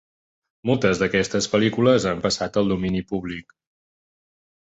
Moltes d'aquestes pel·lícules han passat al domini públic.